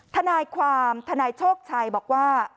ทนายความทนายโชคชัยบอกว่า